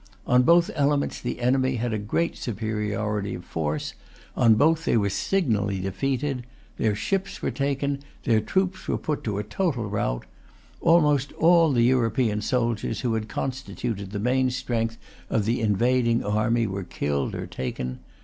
On both elements the enemy had a great superiority of force. On both they were signally defeated. Their ships were taken. Their troops were put to a total rout. Almost all the European soldiers, who constituted the main strength of the invading army, were killed or taken.